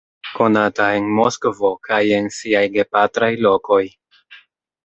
Konata en Moskvo kaj en siaj gepatraj lokoj.